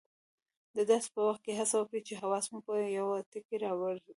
د درس په وخت هڅه وکړئ چې حواس مو په یوه ټکي راوڅرخي.